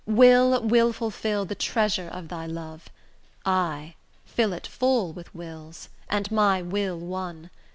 'Will', will fulfil the treasure of thy love, Ay, fill it full with wills, and my will one.